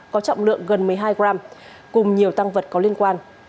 có trọng lượng gần một mươi hai gram cùng nhiều tăng vật có liên quan